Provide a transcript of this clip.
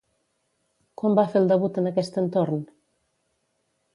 Quan va fer el debut en aquest entorn?